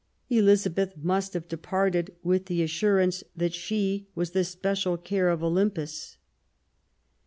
Elizabeth must have departed with the assurance that she was the special care of Olympus.